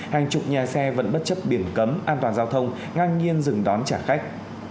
hàng chục nhà xe vẫn bất chấp biển cấm an toàn giao thông ngang nhiên dừng đón trả khách